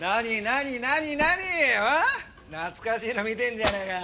懐かしいの見てんじゃねえかよ。